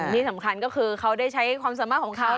ที่สำคัญก็คือเขาได้ใช้ความสามารถของเขา